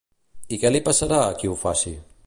I què li passarà a qui ho faci?